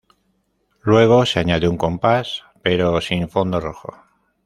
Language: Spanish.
Luego se añadió un compás, pero sin fondo rojo.